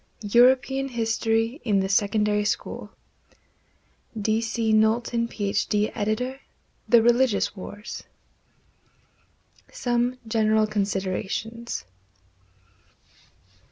European History in the Secondary School D. C. KNOWLTON, PH.D., Editor. THE RELIGIOUS WARS. Some General Considerations.